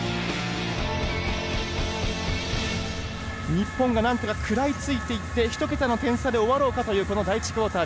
日本がなんとか食らいついていって１桁の点差で終わろうかというこの第１クォーターです。